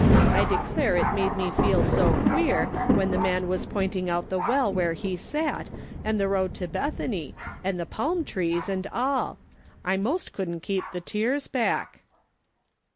I declare it made me feel so queer, when the man was pointing out the well where he sat, and the road to Bethany, and the palm trees, and all ; I most couldn't keep the tears back.